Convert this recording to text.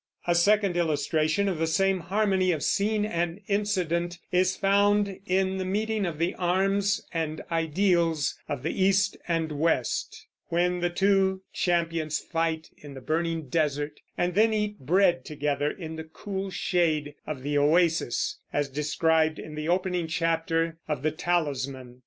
A second illustration of the same harmony of scene and incident is found in the meeting of the arms and ideals of the East and West, when the two champions fight in the burning desert, and then eat bread together in the cool shade of the oasis, as described in the opening chapter of The Talisman.